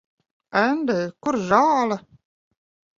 Endij, kur zāle?